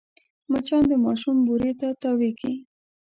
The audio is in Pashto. مچان د ماشوم بوري ته تاوېږي